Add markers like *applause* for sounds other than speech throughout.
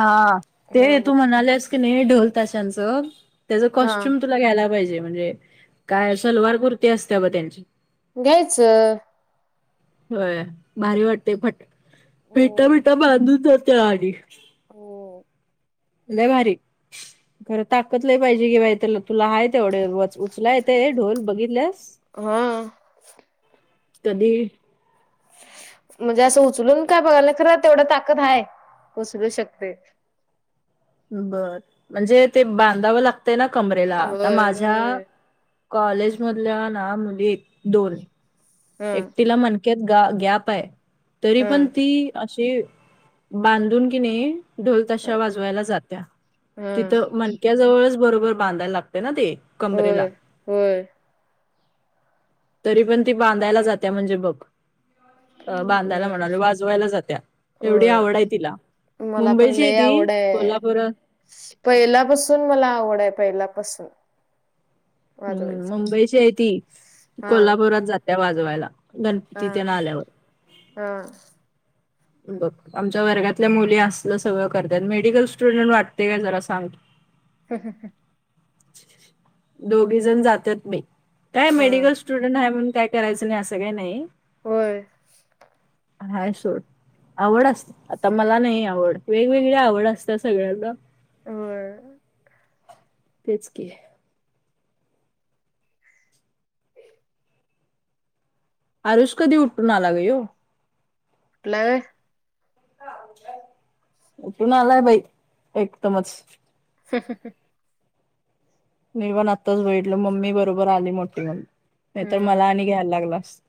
हां, हा ते तू ब- म्हणालेस की नही, ढोल ताशांचं त्याच हा कॉस्ट्युम तुला घ्यायला पाहिजे, म्हणजे काय सलवार कुर्ती असते ब त्यांची. घ्यायचं अ होय, भारी वाटतय, फट हम्म, फेटा-बिटा बांधून जाते, आधी. हो. लई भारी. खरं ताकत लंय पाहिजे कि बाई, तुल-तुला हाय तेवढे, वच-उचलाय, ते ढोल बघितल्यास? हंअ. कधी? म्हणजे असं उचलून काय बघायल, खरं तेवढा ताकद हाय, उचलू शकते. बअ, म्हणजे ते बांधावं लागतंय ना कमरेला, आता होय माझ्या होय कॉलेज मधल्या ना, मुली दोन हा एकटीला मणक्यात गा-गॅप ये, तरी हा पण ती अशी बांधून कि नई ढोल हा ताशा वाजवायला जात्या, हा. तिथं मन क्या जवळच बरोबर बांधायला लागते ना ते, कमरेला? होय होय तरी पण ती बांधायला जात्या, म्हणजे बघ. बांधायला हम्म म्हणालो, वाजवायला जात्या, एवढी होय आवड ये तिला. मला पण मुंबईची य लय ती, आवड आहे कोल्हापूरात पहिल्यापासून मला आवड य, पहिल्यापासून. हम्म वाजवायची मुंबईची आहे ती हा कोल्हापुरात जात्या वाजवायला हा गणपती तेन आल्यावर हा बघ आमच्या वर्गातल्या मुली असलं सगळं करत मेडिकल स्टुडंट वाटते का जरा सांग *inaudible* *unintelligible* दोघी जण जात्यात बाई काय हा मेडिकल स्टू स्टुडंट आहे म्हणून काय करायचं नाही असं काही नाही होय हाय सोड आवड असत्या आता मला नाही आवड वेगवेगळ्या आवड असत्या सगळ्यांना होय तेच की आरुष कधी उठून आला गं ह्यो? उठलाय होय उठून आलाय बाई एकदमच *unintelligible* मी पण आत्ताच बघितलं मम्मी बरोबर आली मोठी होऊन नाहीतर मला हम्म आणि घ्यायला लागला अस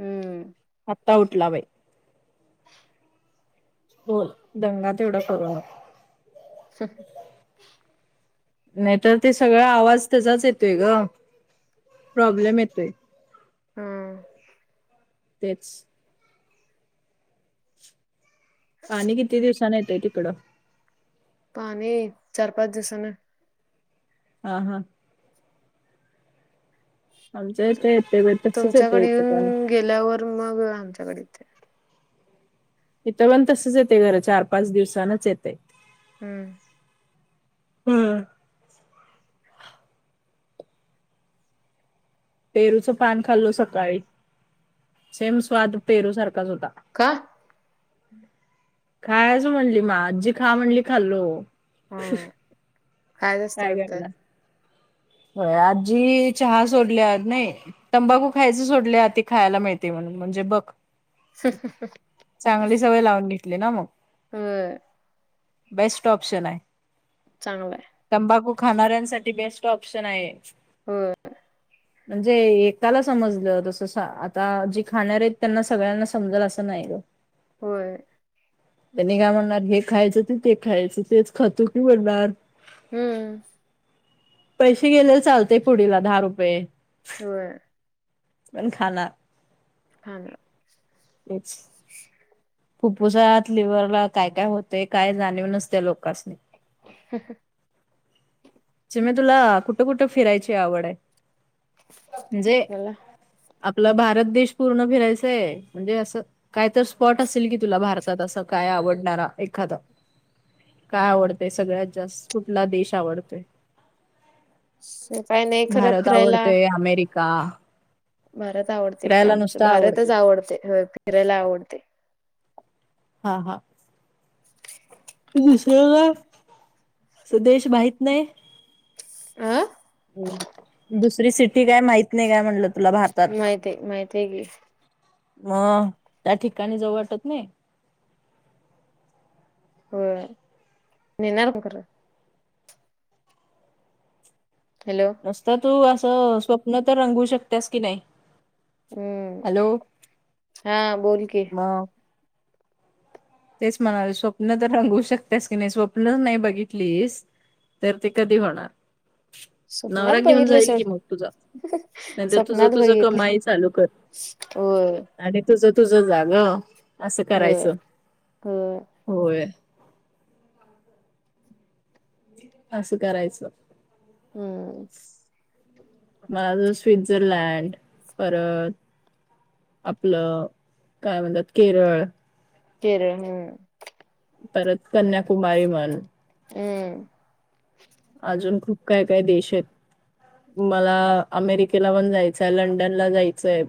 हम्म आत्ता उठला बाई होय दंगा तेवढा करू नको *inaudible* नाही तर ते सगळा आवाज त्याचाच येतोय ग प्रॉब्लेम येतोय हम्म तेच पाणी किती दिवसानीं येतय तिकडं पाणी चार-पाच दिवसानं हा हा आमच्या इथं येतय बाई तसंच येतय तुमच्याकडे इथं पाणी येऊन गेल्यावर मग आमच्याकडे येतंय इथं पण तसच येतय खरं चार-पाच दिवसानच येतय हम्म हम्म पेरूचं पान खाल्लो सकाळी सेम स्वाद पेरू सारखाच होता का? खायच म्हणली मा आज्जी खा म्हणली खाल्लो हम्म खायच असते काय वाटत करणार? होय आज्जी चहा सोडल्यात नाही तंबाखू खायचं सोडल्या ते खायाला मिळते म्हणून म्हणजे बघ चांगली सवय लावून घेतली ना मग होय बेस्ट ऑप्शन आहे चांगलंय तंबाखू खाणाऱ्यांसाठी बेस्ट ऑप्शन आहे होय म्हणजे एकाला समजल. तस आता जी खाणार आहेत त्यांना सगळ्यांना समजाल अस नाही ग. *inaudible* होय त्यांनी काय म्हणणार, हे खायच ते खायच. तेच खातो की म्हणणार. हम्म पैसे गेले चालते पुडीला दहा रुपये. होय पण खाणार खाणार तेच फुप्फुसात, लिव्हरला काय काय होते काय जाणीव नसते या लोकासनी. *unintelligible* चिमे तुला कुठ कुठ फिरायची आवड आहे? म्हणजे मला आपला भारत देश पूर्ण फिरायचाय. म्हणजे अस काय तर स्पॉट असेल की तुला भारतात अस काय आवडणार एखाद. काय आवडतय सगळ्यात जास्त. कुठला देश आवडतोय. काही नाही खरं भारत फिरायला आवडतोय. अमेरिका भारत आवडतय की फिरायला आमच. नुसतं आवडते. भारतच आवडतय. फिरायला आवडते. हा हा दुसर का देश माहत नाही? अ दुसरी सिटी काय माहित नाही काय म्हटल तुला भारतात? माहिती माहितीय की मग त्या ठिकाणी जाऊ वाटत नाही? होय, नेणार कोण खर. हॅलो नुस्त तू अस स्वप्न तर रंगू शकतेस की नाही. हम्म हॅलो हा बोल की मग तेच म्हणाले, स्वप्न तर रंगू शकतेस की नाही. स्वप्नच नाही बघितलीस तर ते कधी होणार? स्वप्नात नवरा घेऊन बघितले जाईल सोड कि मग तुझा. नाहीतर तुझ स्वप्नात तुझ बघितले कमाई चालू कर. होय आणि तुझ तुझ जाग ग. अस करायच. ह होय अस करायच. हम्म मग अजुन स्वित्झरलँड परत आपल काय म्हणतात केरळ केरळ हम्म परत कन्याकुमारी म्हण हम्म अजून खूप काय काय देश आहेत. मला अमेरिकेला पण जायचय. लंडनला जायचय.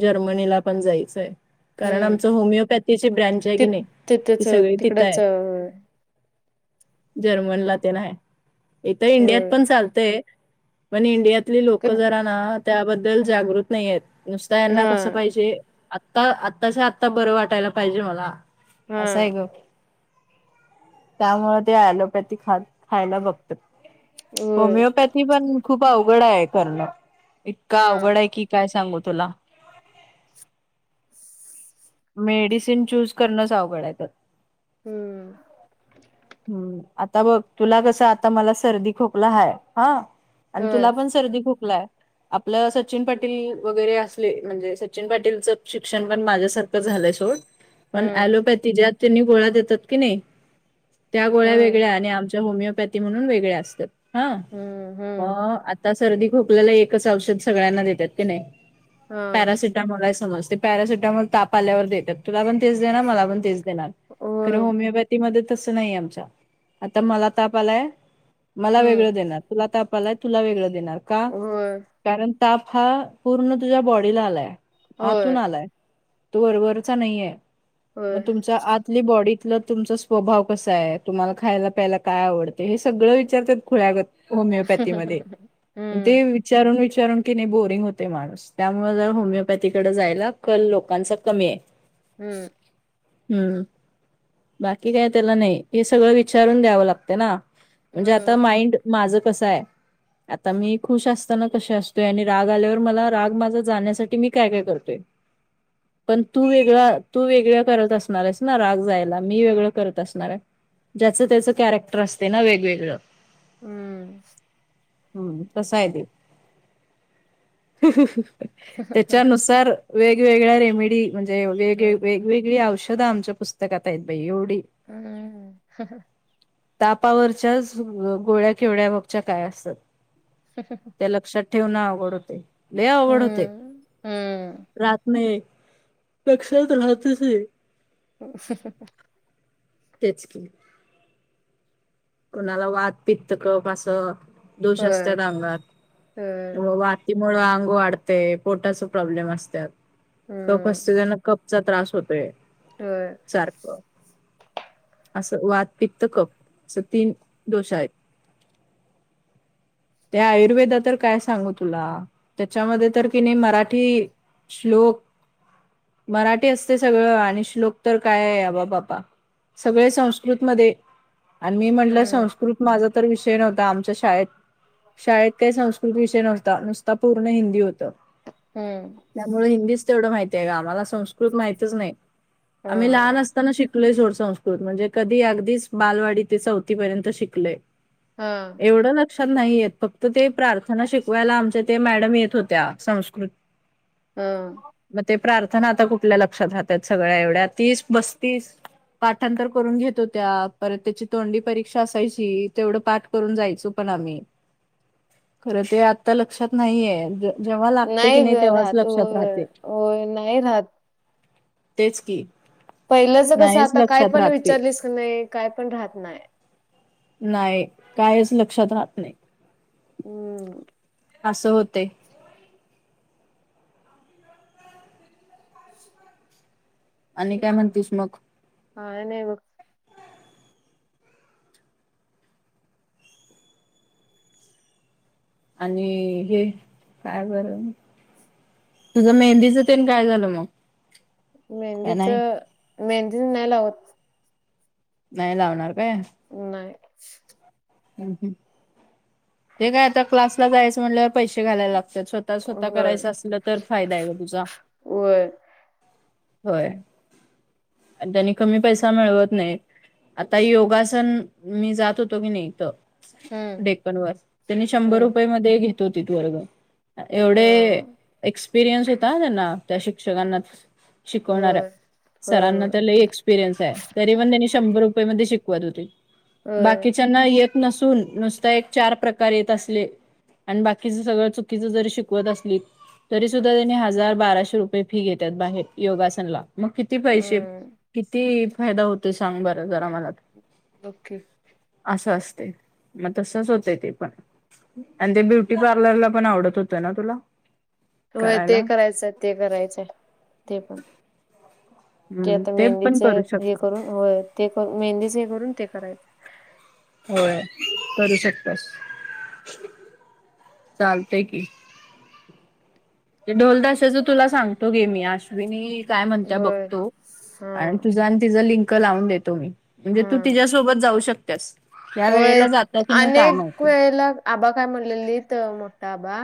जर्मनीला पण जायचय. कारण, हम्म आमच होमिओपॅथीची ब्रँच आहे की ति नाही, ती तिथेच सगळी तिथ आहे. तिकडच जर्मनला तेन आहे. इथ इंडियात होय पण चालतय. मने इंडियातली क लोकं जरा ना, त्याबद्दल जागृत नाही आहेत. नुसता यांना हा कसं पाहिजे आता, आत्ताच्या आत्ता बरं वाटायला पाहिजे मला हा असं आहे गं त्यामुळे ते एलोपॅथी खात खायला बघ होय होमिओपॅथी पण खूप अवघड आहे करणं. हा का अवघड आहे, की काय सांगू तुला? मेडिसिन चूज करणच अवघड आहे त्यात हम्म हम्म. आता बघ तुला कसं, आता मला सर्दी खोकला आहे हा. आणि होय तुला पण सर्दी खोकला आहे. आपलं सचिन पाटील वगैरे असले म्हणजे सचिन पाटीलचा शिक्षण पण माझ्यासार खं झालंय सोड पण हम्म एलोपॅथी ज्या त्यांनी गोळाया देतात की नाही त्या गोळ्या हम्म वेगळ्या आणि आमच्या होमिओपॅथी म्हणून वेगळ्या असत्यात. हा हम्म म हम्म आता सर्दी खोकल्याला एकच औषध सगळ्यांना देत्यात क नाय हा पॅरासिटामॉल समज ते पॅरासिटामॉल ताप पाल्यावर देतात तुला पण तेच देणार मला पण तेच देणार खरं होय होमिओपैथ थी नाही तसं नाही आहे आमचा आता मला ताप आलाय मला हम्म वेगळं देणार तुला ताप प आलाय तुला वेगळं देणार का होय कारण ताप हा पूर्ण तुझ्या बॉडीला आलाय होय आतून आलाय तो वर वरचा नाहीय म होय तुमच्या आत तली बॉडीतलं तुमचा स्वभाव कसा आहे तुम्हाला खायला प्यायला काय आवडते हे सगळं विचारतात खुळ्यागत होमिओपॅथी म हम्म ते वि चारून-विचारून की नाही बोरिंग होते माणूस त्यामुळे जरा होमिओपॅथीकडे जायला कल लोकांचा कमी आहे. हम्म. हम्म. बाकी काय त्याला नाही हे सगळं विचारून द्यावं लागतं ना म्हणजे आता होय माइंड माझं कसं आहे आता मी खुश असताना कशे असतोय आणि राग आल्यावर मला राग माझा जाण्यासाठी मी काय काय करतोय पण तू वेगळा तू वेगळ्या करत असणार आहेस ना राग जायला मी वेगळं करत असणार आहे. ज्याचं त्याचं कॅरेक्टर असते ना वेगवेगळं. हम्म. हम्म तसा आहे तेव. त्याच्यानुसार वेगवेगळ्या रेमे म्हणजे वेग हम्म वेगवेगळी औषधं आहे आमच्या पुस्तकात आहेत बाई एवढी. हम्म हम्म. तापावरच्याच गोळ्या केेवड्या वागचक काय असतात. *unintelligible* हे लक्षात ठेवून अवघड होते लय अवघड होते हम्म हम्म राहत नाय. लक्षात राहतच नाही. *unintelligible* तेच की कोणाला वात, पित्त, कफ असं दोष होय असत्यात अंगात होय म वात ती मुळे आंग वाढते पोटाचा प्रॉब्लेम असत्यात कप हम्म असते त्याने कप चा त्रास होतोय. होय. सारखं असं वात, पित्त, कप असं तीन दोष आहेत. ते आयुर्वेदा तर काय सांगू तुला त्याच्यामध्ये तर कि नाही मराठी श्लोक मराठी असते सगळं आणि श्लोक तर काय आहे आबा बापा. सगळे संस्कृतमध्ये. आणि मी म्हटलं हम्म संस्कृत माझा तर विषय नव्हता आमच्या शाळेत. शाळेत काही संस्कृत विषय नव्हता नुसता पूर्ण हिंदी होतं. हम्म. होय हिंदीच तेवढं माहिती आहे ग मला संस्कृत माहितच नाही. आम्ही लहान हं, असताना शिकलोय सोड संस्कृत म्हणजे कधी अगदीच बालवाडी डी ते चौथी पर्यंत शिकलोय हं, एवढ क्षात नाही येत फक्त ते प्रार्थना शिकवायला आमच्या ते मॅडम येत होत्या संस्कृत हा. मग ते प्रार्थना आता कुठल्या लक्षात राहतात सगळ्या एवढ्या तीस, पस्तीस. पाठांतर करून घेत होत्या परत त्याची तोंडी परीक्षा असायची तेवढं पाठ करून जायचो पण आम्ही. खरं ते आत्ता लक्षात नाहीये. जेव्हा लागते कि ग नाही तेव्हाच राहत लक्षात होय, राहते. होय नाही राहत. तेच की. पहिलंच कसं नाहीच आता काय लक्षात पण राहत ते. विचारलीस का नाही काय पण राहत नाही. नाही कायच लक्षात राहत नाही. हम्म. असं होते. आणि काय म्हणतीस मग. काय नाही बघ. आणि हे काय बर तुझं मेहंदीचं तेन काय झालं मग? काय मेहंदीच नाही. मेहंदी नाही लावत. नाही लावणार काय? नाही. हम हम ते काय आता क्लासला जायचं म्हणल्या पैसे घालायला लागत्यात स्व ता स्वतः होय, करायचं असल तर फायदा आहे ग तुझा. होय. होय आणि त्यांनी कमी पैसा मिळवत नाही. आता योगासन मी जात होतो की नाही त हम्म डेकन वर त्यांनी शंभर हम्म रुपये मध्ये घेत होतीत वर्ग. अ एवढे एक्सपिरियन्स होता हा त्यांना त्या शिक्षकांना. शिकवणाऱ्या होय, होय, सरांना होय, तर लै एक्स पिरियन्स ये तरी पण तेनी शंभर रूपयमधे शिकवत होते होय. बाकीच्यांना येत नसून नुसता एक चार प्रकार येत असले आणि बाकीच सगळं चुकीच जरी शिकवत असली तरी सुद्धा त्यांनी हजार बाराशे रुपये फी घेतात बाहेर योगासनला. मग किती पैसे हम्म किती फायदा होतोय सांग बरं जरा मला बघ की. असं असते मग तसच होत ते पण. आणि ते ब्युटी पार्लरला पण आवडत होतं ना तुला? होय करायला ते करायचंय ते करायचंय ते पण. ते हम्म आता पण मेहंदीच करू हे शकतो करून होय ते मेहंदीच हे करून ते करायचं. होय करू शकतोस, चालतय की. ढोल, ताशाचं तुला सांगतो गे मी आज. अश्विनी काय म्हणत होय बघतो, हा आणि तुझा आणि तिझ लिंक लावून देतो मी. म्हणजे हा तू तिच्या सोबत जाऊ शकत्यास. होय, अनेक वेळेला आबा काय म्हलेलीत, मोठा आबा.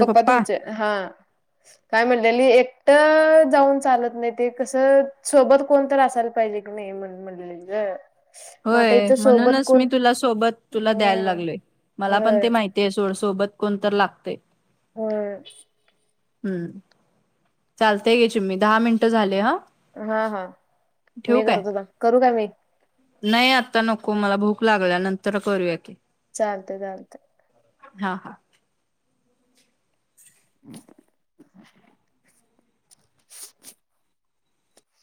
पप्पा तुमचे, हा. काय म्हणले, एकटं जाऊन चालत नाही. ते कसं सोबत कोणत असायला पाहिजे. मी म्हण-म्हणली ग. मग आता होय, इथं सोबत म्हणूनच मी कोण तुला सोबत तुला द्यायला हम्म लागलोय मला पण होय ते माहिती ते सोड, सोबत कोणत लागतय. होय. हम्म, चालतय घे चिन्हे, मी दहा मिनटं झाले हा हा-हा ठेवू मी काय? करत होता, करू का मी. नाही आता नको, मला भूक लागल्या, नंतर करूया की. चालतय-चालतय. हा-हा